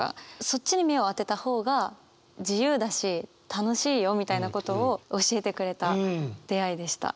そっちに目を当てた方が自由だし楽しいよみたいなことを教えてくれた出会いでした。